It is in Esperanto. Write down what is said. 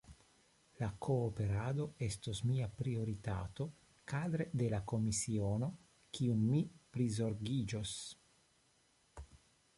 La kooperado estos mia prioritato kadre de la komisiono kiun mi prizorgiĝos.